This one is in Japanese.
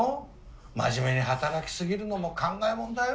真面目に働き過ぎるのも考えもんだよ。